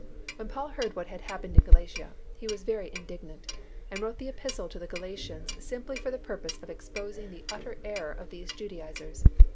When Paul heard what had happened in Galatia, he was very indignant and wrote the Epistle to the Galatians simply for the purpose of exposing the utter error of these Judaizers.